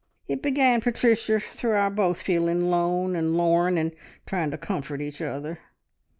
"It began, Patricia, through our both feeling lone and lorn and trying to comfort each other.